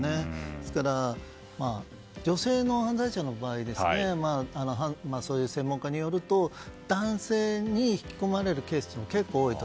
ですから、女性の犯罪者の場合そういう専門家によると男性に引き込まれるケースというのが結構多いと。